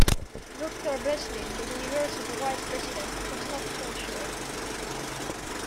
Doctor Breslin, the university vice president, was not so sure.